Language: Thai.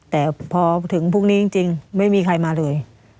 แต่พอถึงพรุ่งนี้จริงไม่มีใครมาเลย